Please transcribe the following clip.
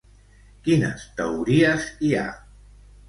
Quines teories hi ha?